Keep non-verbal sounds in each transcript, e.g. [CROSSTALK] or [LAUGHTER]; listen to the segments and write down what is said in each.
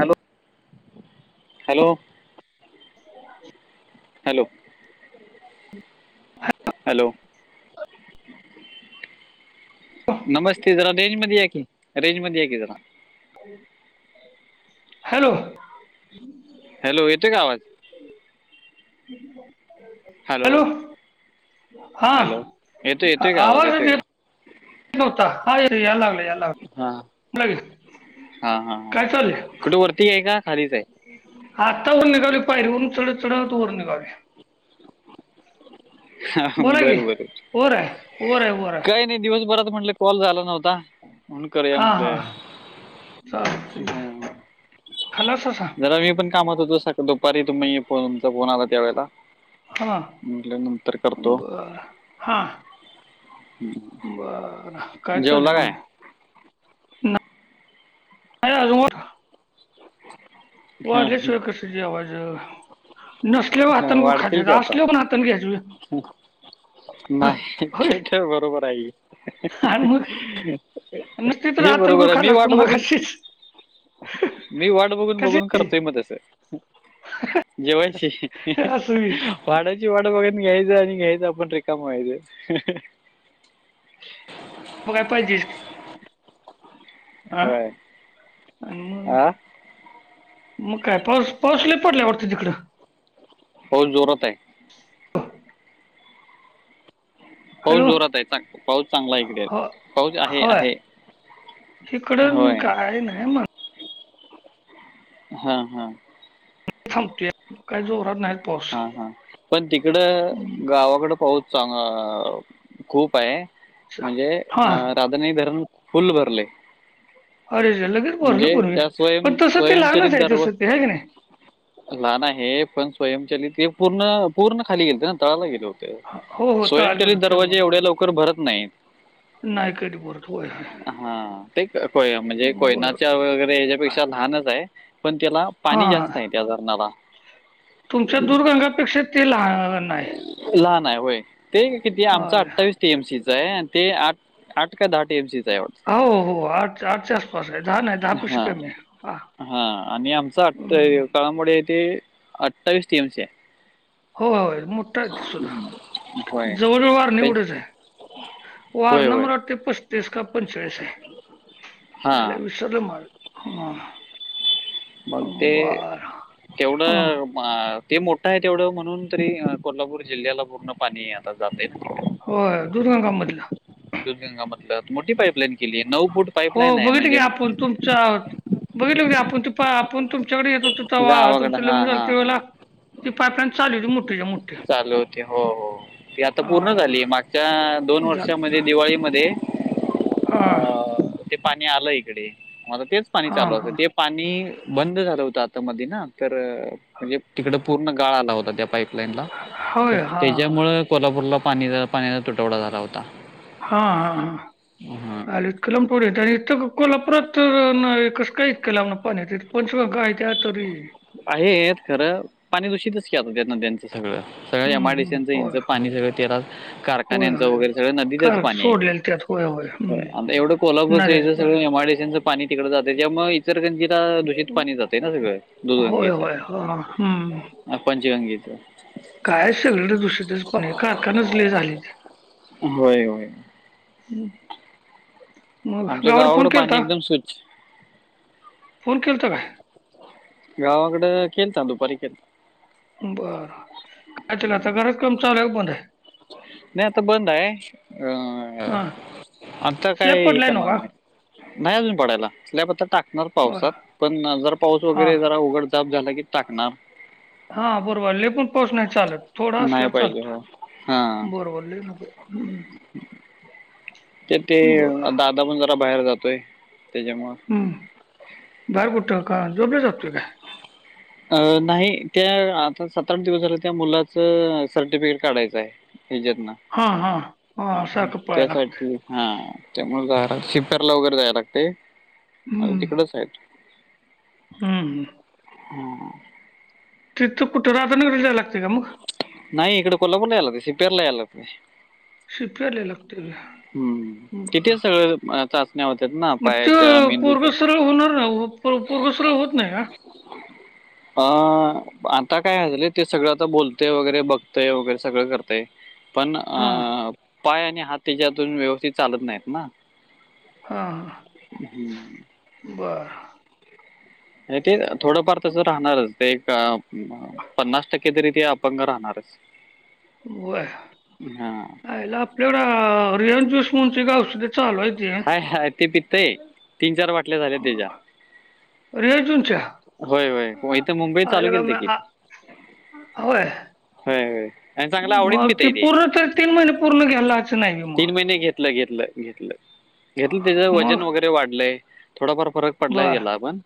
Hello hello [UNINTELLIGIBLE] ह [UNINTELLIGIBLE] hello [UNINTELLIGIBLE] ह [UNINTELLIGIBLE] hello [UNINTELLIGIBLE] नमस्ते तरा रेंज मध्ये याककी रेंज मध्ये याक जरा [UNINTELLIGIBLE] हॅलो [UNINTELLIGIBLE] हॅलो इो का आवाज [UNINTELLIGIBLE] ह [UNINTELLIGIBLE] हॅलो हा हॅलो येतोय येतोय का आवाज येतोय का [UNINTELLIGIBLE] ग होत हा एलगले हा एलग्ग [UNINTELLIGIBLE] हा हा हा कुठे वरती आहे का खालीच आहे [UNINTELLIGIBLE] आता वर निघावी पायरीवररून चढत चढत वर निघावी [UNINTELLIGIBLE] हा बोला की बरबर वर आहे वर आहे वर आहे काय नाही दिवसभरात म्हटलं [UNINTELLIGIBLE] कॉल झाला नव्हता म्हणून करूया म्हंटले [UNINTELLIGIBLE] लते खलास सांग [UNINTELLIGIBLE] जरा मी पण कामात होतो सका दुपारी तुम्ही तचा फोन आला त्यावेेळेला हा [UNINTELLIGIBLE] म्हणल नंतर करतो? बर हा बर [UNINTELLIGIBLE] चाललंय जेवला मग काय? [UNINTELLIGIBLE] हॅलो! [UNINTELLIGIBLE] हा, वाढल्या शिवाय कस जेवायच. [UNINTELLIGIBLE] नसल्यावर हा. हातांन बी वाढतील खात्यात की आता असल्यावर हातान घ्यायच व्ही. [UNINTELLIGIBLE] नाही होय ते ते बरोबर आहे आणि की. मग [UNINTELLIGIBLE] नसते तर ते हातांगूर बरोबर आहे मी खाल्ला असतो वाट बघून [UNINTELLIGIBLE] मगाशीच मी वाट बघून कशी बघून करतोय म तस [UNINTELLIGIBLE] जेवायची [UNINTELLIGIBLE] असं बी. वाडाची वाड बघून घ्यायचं आणि घ्यायचं आपण रेिकाम व्हायच मग काय पहिजेस [UNINTELLIGIBLE] हा होय अनम हा [UNINTELLIGIBLE] मग काय पाऊस पाऊसला पडल्यावरटतें तिकडं [UNINTELLIGIBLE] हो जोरत आहे [UNINTELLIGIBLE] पाऊस हॅलो जोरात आहे पाऊस चांगला इकडे हो पाऊस आहे आहे. [UNINTELLIGIBLE] इकड काय नाही मग [UNINTELLIGIBLE] हा हा [UNINTELLIGIBLE] थांबतेय काही जोरात नाही? [UNINTELLIGIBLE] हा हा पण हम्म. तिकडं गावाकडे पाऊच चांग खूप आहे? चा- म्हणजे हा राधानगरी धरण फुल भरलय. [UNINTELLIGIBLE] अरे लगे [UNINTELLIGIBLE] म्हणजे त्या स्वयं स्वयंचरित आहे दरव तसं ते आहे की नाही [UNINTELLIGIBLE] लहान आहे पण स्वयंचलित पूर्ण पूर्ण खाली गेलत तळाला गेल होत. हो [UNINTELLIGIBLE] हो तळाला गेलो स्वयंचलित ते दरवाजे मग एवढ्या बरोबर लवकर भरत नाहीत? नाही कधी बोलत होय होय [UNINTELLIGIBLE] हा ते कोय म्हणजे बरं कोयनाच्या. [UNINTELLIGIBLE] वगैरे याच्यापेक्षा लहानच आहे पण त्याला [UNINTELLIGIBLE] हा ह आहे त्या धरणाला तुमच्या दुरगंगापेक्षा ते लहान आहे [UNINTELLIGIBLE] लहान आहे होय ते किती आमचा होय अठ्ठावीस. [UNINTELLIGIBLE] टी एम सी च आहे आणि ते आठ आठ का दहा टी एम सी च आहे वाढत. [UNINTELLIGIBLE] अहो हो आठ आठच्या आसपास आहे दहा नाहीत. [UNINTELLIGIBLE] हा हा आणि आमचा हं. आठायु. [UNINTELLIGIBLE] कळामुडे ऐथे अठवीस टी एम सी आहे. [UNINTELLIGIBLE] हो हो मोठा आहे ते सुद्धा होय जवळजवळ वारणे ते- एवढच आहे. [UNINTELLIGIBLE] होय वारणा होय मला वाटतय पस्तीस का पंचेचाळीस आहे हां [UNINTELLIGIBLE] विस [UNINTELLIGIBLE] रोलो माळ [UNINTELLIGIBLE] मग ते तेवढं हां. [UNINTELLIGIBLE] अ ते मोठ आहे तेवढं म्हणून तरी कोल्हापूर जिल्ह्याला पूर्ण पाणी आता जातय होय दुधगंगा मधल [UNINTELLIGIBLE] दुधगंगा मधलं मोठी पाईपलाईन [UNINTELLIGIBLE] फूट हो पाईपलाईन आहे बघितली म्हणजे की आपूण तुमच्या आत [UNINTELLIGIBLE] बघितले आपूण तु पा आपण तुमच्याकडे येत होतो तेव्हा गावाकडं तुमच हा लग्न झालं हा तेव्हा. हा [UNINTELLIGIBLE] ती पाईपलाईन चालीवली मोठीच्या मोठी. [UNINTELLIGIBLE] चालू होते हो हो ती आता पूर्ण हां. झाली मागच्या दोन जा वर्षामध्ये [UNINTELLIGIBLE] दिवाळीमध्ये [UNINTELLIGIBLE] हा [UNINTELLIGIBLE] ते पाणी आलं इकडे म आता तेच पाणी हां, चालू असत हां. ते पाणी बंद झालं होतं आता मधी ना? तर म्हणजे तिकड पूर्ण गाळ आला होता त्या पाईपलाईनला. [UNINTELLIGIBLE] तर होय. ते हां. ज्यामुळं कोल्हापूरला पाणी पाण्याचा तुटवडा झाला होता. [UNINTELLIGIBLE] हा हा हा. [UNINTELLIGIBLE] हां आले इथक्या लांब थोड येत इथ कोल्हापुरात नाही कस काय इथक्या लांबन पाणी येतय. [UNINTELLIGIBLE] पंचगंगा आहे त्या तरी [UNINTELLIGIBLE] आहेत खरं पाणी दूषितच की नद्यांच सगळं. [UNINTELLIGIBLE] सगळं हं, हं. एमआरडीसीचचं होय. पाणी सगळं तेला होय, कारखान्यांचं वगैरे होय. सगळं का नदीचंच पाणी आहे सोडलेलं [UNINTELLIGIBLE] त्यात होय, होय. हं. एवढं कोल्हापूरच नद्याच सगळं पाणी. एमआयसीच [UNINTELLIGIBLE] पाणी तिकड जाते त्यामुळे इतर गंजीला दूषित पाणी जाते ना सगळं [UNINTELLIGIBLE] होय होय ह हम्म [UNINTELLIGIBLE] ह पंचगंगेच [UNINTELLIGIBLE] काय सगळीकडे दुषितच पाणी आहे कारखाने लई झालेत. होय होय [UNINTELLIGIBLE] ह मग आमच्या गावकड फोन गावाकडं पाणी केलता? एकदम [UNINTELLIGIBLE] स्वच्छ फोन केलता काय? [UNINTELLIGIBLE] गावाकडं केलता दुपारी केलता. [UNINTELLIGIBLE] बरं काय चाललय आता घराच काम चालू आहे का बंद आहे? [UNINTELLIGIBLE] नाही आता बंद आहे अ हां. [UNINTELLIGIBLE] आता काय स्लॅब हे पडलाय काम नव्ह का? नाही [UNINTELLIGIBLE] नाही अजून पडायला आता टाकणार होय. पावसात पण जर पाऊस हां. वगैरे जरा उघड [UNINTELLIGIBLE] स्लॅप झाला की टाकणार [UNINTELLIGIBLE] हा बरोबर लय पण पाऊस नाही चालत थोडा असला नाही तर पाहिजे होय हां चालतोय बरोबर ले हम्म [UNINTELLIGIBLE] तर ते बरं. दादा पण जरा बाहेर जातोय त्याच्यामुळ [UNINTELLIGIBLE] हम्म बाहेर कुठ का जोबला जातो काय [UNINTELLIGIBLE] अहो नाही त्या आता सातआठ दिवस झाले त्या मुलाचं सर्टिफिकेट काढायचं आहे [UNINTELLIGIBLE] हेच्यात ना [UNINTELLIGIBLE] हा हा हा सारखं पळायला लागतं [UNINTELLIGIBLE] हा त्यामुळे शिपरला वगैरे जायला लागते तिकडच आहेत [UNINTELLIGIBLE] हम् हम [UNINTELLIGIBLE] हम्म [UNINTELLIGIBLE] तिथं कुठं राहताना रिजायला लागते का मग [UNINTELLIGIBLE] नाही इकडे कोल्हापूरला यायला होते सिपेरला याय लागते [UNINTELLIGIBLE] सिपेरला लागते वय हम्म. बर तिथे [UNINTELLIGIBLE] चाचण्या होत ना [UNINTELLIGIBLE] मग ते पोरग मेंदूच्या सरळ होणार नाही पोरग सरळ होत नाही का [UNINTELLIGIBLE] ह [UNINTELLIGIBLE] आता काय झालंय ते सगळं आता बोलतय वगैरे बघतय वगैरे सगळं करत [UNINTELLIGIBLE] पण हां, पाय आणि हात त्याचे अजूनन व्यवस्थित चालत नाहीत ना हां बर [UNINTELLIGIBLE] ते थोडंफार तस राहणारच ते एक पन्नास टक्के [UNINTELLIGIBLE] कहीतरी ते अपंग राहणारच [UNINTELLIGIBLE] बर हा आईला [UNINTELLIGIBLE] त्याला रिन च्यूस म्हंची औषध चालू आहे तेे [UNINTELLIGIBLE] हा ते पितय तीन चार बाटल्या झाल्या त्याच्या रियान ज्यूसच्या? [UNINTELLIGIBLE] होय होय इथे मुंबईला आ चालू आयला का केेल ते की मग आ [UNINTELLIGIBLE] होय. होय होय आणि चांगलं आवडीन पितय ते [UNINTELLIGIBLE] तीन महिने पूर्ण घायला लागत [UNINTELLIGIBLE] तीन महिने घेतलं घेतलं घेतलं घेतलं त्याच मग? वजन वगैरे वाढलंय [UNINTELLIGIBLE] थोडाफार फरक पडलाय बरं. त्याला पण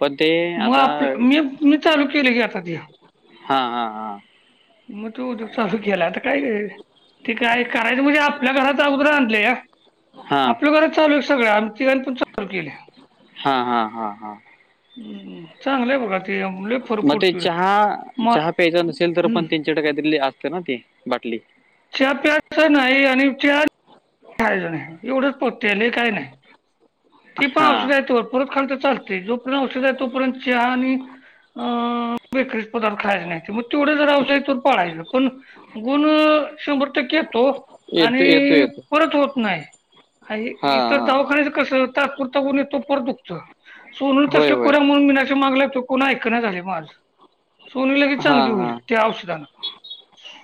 पण ते [UNINTELLIGIBLE] मग आपलं मी मी चालू केले की आता ते [UNINTELLIGIBLE] हा हा हा [UNINTELLIGIBLE] मग तो उद्यग चालू केला आता काय ते काय करायचं म्हणजे आपल्या घराचा उदार आणलंय या हा हा आपलं बर चालू आहे सगळं आम्ही तिघाणी पण चालू केलं हा हा हा हा हम् चांगलंय बघा ते [UNINTELLIGIBLE] मग ते चहा मग चहा प्यायचा नसेल तर हं. पण त्यांच्याकडे असते ना ती बाटली चहा प्यायचा नाही आणि चहा खायचा नाही एवढंच पथ्य आहे लय काही नाही [UNINTELLIGIBLE] ती पण हा औषध आहे ते पररत खा तर लते जोपर्यंत औषध आहे तोपर्यंत चहा आणि [UNINTELLIGIBLE] बेकरीच पदार्थ खायचे नाही मग तेवढं जर ववसाय पळायचं पण. [UNINTELLIGIBLE] गण शबर. [UNINTELLIGIBLE] येतो येतो आणि येतो येतो परत होत नाही हा इत. [UNINTELLIGIBLE] हा दावाखान्याच कस तात्पुरते फरक पडतो परत दुखत सोनू होय तसल्या होय कोऱ म्हणून मनाच्या मागलाय तो कोणी ऐकण झाले माद सोनी लगेच हा चांगली होईल हा त्या औषधानं [UNINTELLIGIBLE]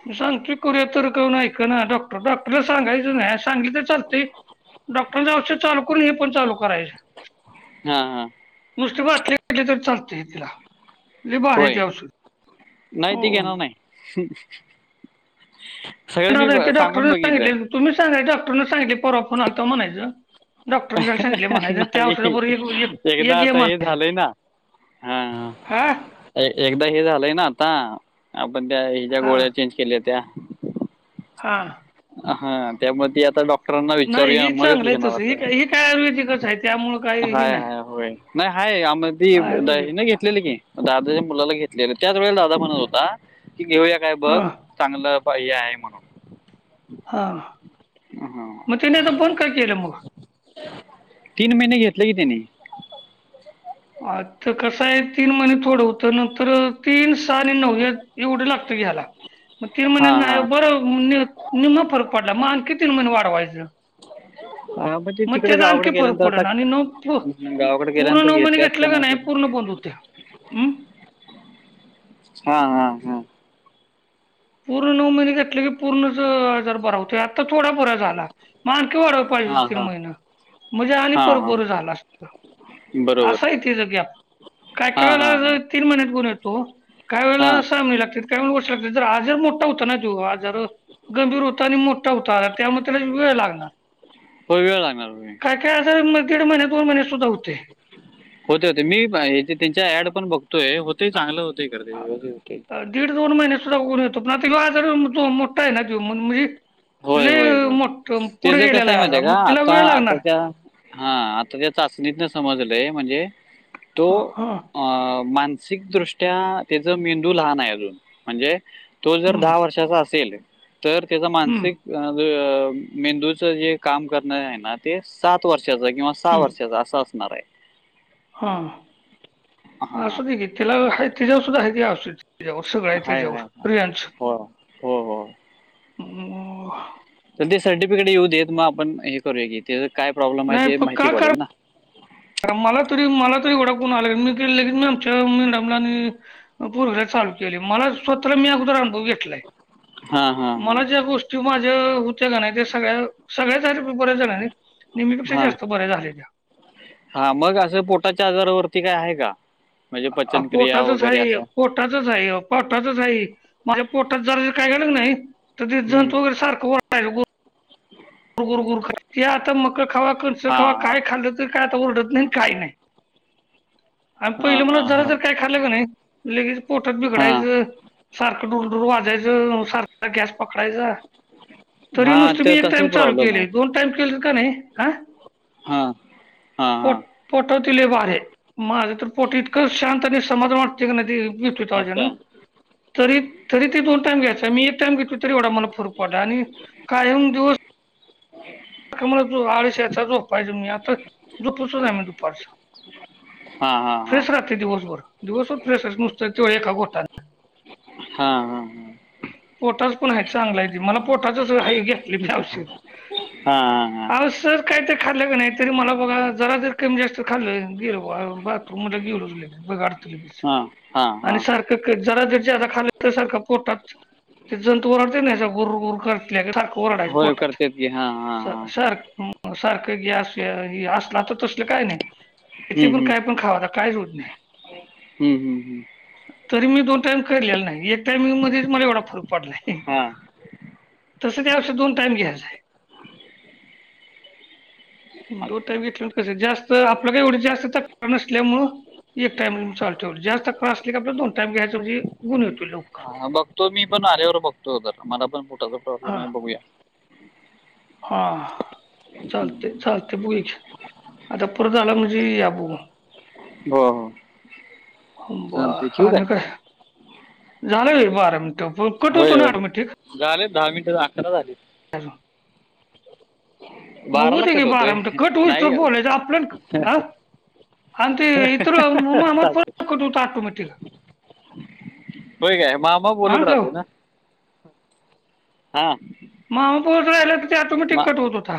मी सांगतोय कोणी ऐकना डॉक्टर [UNINTELLIGIBLE] डॉक्टरला सांगायच नाही सांगितल तर चालते डॉक्टर औषध चालु करून [UNINTELLIGIBLE] पण चालू करायचे [UNINTELLIGIBLE] हा हा [UNINTELLIGIBLE] नुसते वाटलेले तर चालते तिला म्हजे बाहे होय याव शध. [UNINTELLIGIBLE] नाही ते घणार नाही. [UNINTELLIGIBLE] सगळं मी येणार आहे ते सांगून डॉक्टरने बघितलं सांगितले [UNINTELLIGIBLE] तुम्ही सांगय डॉक्टरना सांगितले पररा फो आल तर म्हणायचं. [UNINTELLIGIBLE] डॉक्टरांकडे सांगले म्हणायचं त्या नाही षराबर एक एक एकदा हे आता म्हणायचं. झालंय ना [UNINTELLIGIBLE] हा. [UNINTELLIGIBLE] एकदा हे झालंय ना आता आपण त्या हि ज्या हा गोळ्या चेंज केल्या त्या्या. [UNINTELLIGIBLE] हा. [UNINTELLIGIBLE] हा त्यामुळे त आता डॉ. [UNINTELLIGIBLE] ांना नाही विचारूया ही मगच चांगलं आहे घेणार तसं ही असं काय ही काय आयुर्वेदिकच आहे त्यामुळं काही ही हाय नाही हाय होय. [UNINTELLIGIBLE] नाही आहेाय आम ती द आयुर्वेदिक नाही घेतलेली की. [UNINTELLIGIBLE] दादाच्या मुलाला घेतले त्याच वेळेला दादा म्हणत होता की घेऊया काय बघ. हा [UNINTELLIGIBLE] चांगलं हे आहे म्हणून. [UNINTELLIGIBLE] हा हा मग तने आता फोन काय केलं मग. [UNINTELLIGIBLE] तीन महिने घेतले की त्याने. [UNINTELLIGIBLE] आता कसं आहे तीन महिने थोडं होतं नंतर. [UNINTELLIGIBLE] तीन सहा आणि नऊ एवढं लागतं घी ह्याला मग तीन हा हा महिन्यां बरं. [UNINTELLIGIBLE] नि फरक पडला मग आण किती महिने वाढवायचं. [UNINTELLIGIBLE] हा ते मग तिकडे त्याचा आणखी गावाकडे फरक गेल्यानंतर पड आता ना आणि नऊ गावाकडे पूर् गेल्यानंतर नऊ म का. [UNINTELLIGIBLE] घेतल्यात नाही का पूर्ण ब होत. [UNINTELLIGIBLE] हा हा हा. [UNINTELLIGIBLE] पूर्ण नऊ महिने घेतले की पूर्ण हजार बरा होतो आता थोडा बरा्या झाला माणकी वाढवत. [UNINTELLIGIBLE] पाहिज हा तीन हा महिन म्हणजे आणि हा हा परोपर झाला असत. [UNINTELLIGIBLE] बरोबर हाहित जगे आप. [UNINTELLIGIBLE] काय हा काय हा वेला हा तीन महिन्यात गण येतो काय हा वेळेला सहा महिने लागतात काय वे गोष्ट लागतात. [UNINTELLIGIBLE] हजार मोठा होतता ना जो आजार. [UNINTELLIGIBLE] गंभीर होता आणि मोठा होताला त्यामुळे त्याला वेळ लागणार. [UNINTELLIGIBLE] होळ लागणार तुमही. [UNINTELLIGIBLE] काय काय असेलगीड महिने दोन महिने सुद्धा होते. [UNINTELLIGIBLE] होते होते मी त्यांच्या ऍड पण बघतोय होते चांगलं होतय करते्यवी होते. अ, दीड दोन महिने सुद्धा कोऊण येतो प ना आजार तो मोठा आहे ना म्हणजे. [UNINTELLIGIBLE] होय ल होय होय मोठ पुढे त्याच कसं गेलेला आहे माहितीय आज का मग तिला आता वेळ लागणार. [UNINTELLIGIBLE] आताच्या हा आता त्या चाचणीतन समजलंय म्हणजे हा तो. हा [UNINTELLIGIBLE] अ मानसिकदृष्ट्या त्याच मेंदू लहान आहे अजून म्हणजे. [UNINTELLIGIBLE] तो जर हम्म दहा वर्षाचा असेल तर त्याचा माणस. [UNINTELLIGIBLE] हम्म मेंदूचं जे काम करणार आहे ना. [UNINTELLIGIBLE] ते सात वर्षाच किंवा सहा हम्म वर्षाचा असं असणार आहे. [UNINTELLIGIBLE] हा हा अससत की तिला हेती जाऊ सुद्धा हेतीया असित. [UNINTELLIGIBLE] त्याच्यावर सगळं आहे हाय हाय त्याच्यावर प्रियांश. [UNINTELLIGIBLE] हो हो हो. [UNINTELLIGIBLE] तर ते सर्टिफिकेट येऊ देत मग आपण हे करूया की त्या काय प्रॉब्लेम आहे नाही ते पण माहिती का का पडेल ना [UNINTELLIGIBLE] कारण मला तरी मला तरी ओडाखून आले मी केेन मी आमच्या मीडमला आणि. [UNINTELLIGIBLE] परग चालू केले मला स्वतःला मी अगोदर अनुभव घेतलाय हा हा हा मला. [UNINTELLIGIBLE] ज्या गोष्टी माझ्या होत्या का नाही ते सगळ्या सगळ्याच आहेत बर्याच जणनी. [UNINTELLIGIBLE] नेहमीपेक्षा हा जास्त बऱ्या झाले त्या. [UNINTELLIGIBLE] हा मग असं पोटाच्या आजारावरती काय आहे का. [UNINTELLIGIBLE] पचनक्रिया पोटातच वगैरे आहे [UNINTELLIGIBLE] असं पोटातच आहेई पोटातच आहेई माझ्या पोटात जरा कायं घड नाहीं [UNINTELLIGIBLE] तर ते हम्म. जंत वगैरे सारखं वाटतं आहे [UNINTELLIGIBLE] गर गुर गुर आता मका खावा कणस हा खावा हा सकाळीं कायं खाल [UNINTELLIGIBLE] काई ओरड नाही कांहीं नाही आणि हा पहिले म्हला हा झालं तर हा कां [UNINTELLIGIBLE] झालकी नाही लगेच पोटात हा बिघडायचं सारखं डुर डुर वाजायचं सारखं [UNINTELLIGIBLE] गॅस पकडांयचां तरी हा नुसतं मी तर एक टाईम तसंच चालूं प्रॉब्लेम केली आहे [UNINTELLIGIBLE] दोन टाईम केली की नाहीं कां [UNINTELLIGIBLE] हां हां हां [UNINTELLIGIBLE] पोटवतील वारे माझं तरं पोट इतकं शांत आणि समाधान वाटतें [UNINTELLIGIBLE] तु त्यांचं अच्छा होयंण तरी ते दोन टाईम घ्यायचं मी [UNINTELLIGIBLE] एक टाईम घेतली तरी एवढ मला फरक पडला आणि कायम दिवस [UNINTELLIGIBLE] मला जो आळश यांचा जो पाहिजे मी आता जोपोचत आहे मी दुपारचा [UNINTELLIGIBLE] हा हा हा फ्रेश राहते दिवसभर दिवसच फ्रेश आहे नुसतें डोळे खपवतांत [UNINTELLIGIBLE] हां हां [UNINTELLIGIBLE] पोटाच पणं आहे चांगला आहे ते मला पोटाचच हे घेतली मऔशेत [UNINTELLIGIBLE] हां हां [UNINTELLIGIBLE] कसलं काही तरं खाल्लं नाहीं तरी मला बघा जरा जर [UNINTELLIGIBLE] कमरेच्या दूखाव किर कोड बाथरूम मध्ये गेलो लगे बघाडतं लगेच हा हा हा आणि हा सारखं जरा त्या च्यारा खाला तसा सारखं पोटात ते जंतू वरडते नाही गोरर [UNINTELLIGIBLE] सख रडाय [UNINTELLIGIBLE] पोतात [UNINTELLIGIBLE] कधी आहे हां हां [UNINTELLIGIBLE] स सार सारखं गॅस असला तर तसलं कांहीं नाहीं [UNINTELLIGIBLE] इथे पणं कायं पणं खावाता काईच होतं नाहीं [UNINTELLIGIBLE] हम्मं [UNINTELLIGIBLE] तरी मी दोन टाईम करलेला नाहीं एक टाईम मध्यें मला एवढा फरक पडलाय [UNINTELLIGIBLE] हां [UNINTELLIGIBLE] तसं ते औषध दोन टाईम घ्यायचं आहे [UNINTELLIGIBLE] दो अच्छा टाईप घेतले कसं जास्तं आपलं कांहीं एवढी जास्तं तकलीफ नसल्यामुळं [UNINTELLIGIBLE] एक टाइम चालत जास्तं त्रास असंला की आपल दोन टाईम घ्यायचं म्हणजे गुण येतोयां [UNINTELLIGIBLE] बघतोय मी पणं आल्यावर बघतो तरं मला पणं पोटाचा प्रॉब्लेम आहे बघूया [UNINTELLIGIBLE] हां [UNINTELLIGIBLE] चालते चालते बग आतापरत आला म्हणजे ये आपणं [UNINTELLIGIBLE] हो हो ब चालते कां ठेवू काय आता कायं [UNINTELLIGIBLE] झालं बारा मि कट होय होतो होय याॅडमीट ठीक [UNINTELLIGIBLE] झाले दहा मिनिटं अकरा झाले [UNINTELLIGIBLE] तर [UNINTELLIGIBLE] [UNINTELLIGIBLE] [UNINTELLIGIBLE] [UNINTELLIGIBLE] मगं बाराला होदे गी कट बारा होतोय म्हण कट होस नाही तरं बोलायचं आपल्या हं [UNINTELLIGIBLE] अ इथर मम चालतंय. फोन होत आऑटोमॅटिक [UNINTELLIGIBLE] होय कायं बाबा हा बोलत हॅलो राहातात नां [UNINTELLIGIBLE] हां [UNINTELLIGIBLE] मामाबोलत राहिला तरं तो ऑटोमेटिक कट होतं होता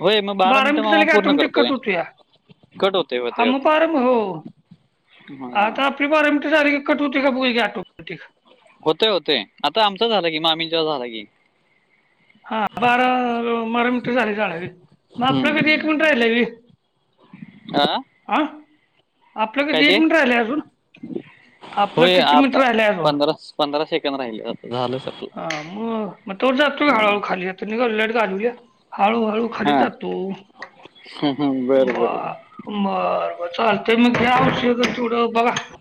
होय मग बारा मिनिटं मिटर मामा झाली की पूर्ण आठोमटिक कट करतोय होतू यां [UNINTELLIGIBLE] कट होते [UNINTELLIGIBLE] हा मगं परार होय [UNINTELLIGIBLE] हम [UNINTELLIGIBLE] आ तर आपली बारमिटी सारीखी कटोती का बघ घे ॲटोमॅटिक [UNINTELLIGIBLE] होते होते आता आमचं झालं कि मामीच्या झालं की [UNINTELLIGIBLE] हां बारा बारा मिनिटर झाले मगं आपलं कधी एक मिनिट राहिलं रे [UNINTELLIGIBLE] आ [UNINTELLIGIBLE] हं आपलं कीती एक मिनिटं राहिलं अजून [UNINTELLIGIBLE] आपलं होय किती मीटर आता राहिलं अजून पंधरा पंधरा सेकंद राहिले आता झालं सर हा मग मग तोवर जात तोी हळूहळूाली तर गलट घालूया हळूहळू [UNINTELLIGIBLE] खरी ज हा तो ब बर बर [UNINTELLIGIBLE] बरं बर चाल ते मग घव श थोडं बघा [UNINTELLIGIBLE]